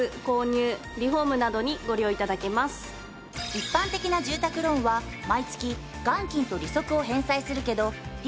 一般的な住宅ローンは毎月元金と利息を返済するけどリ・